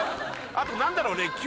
あと何だろうね。